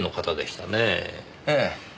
ええ。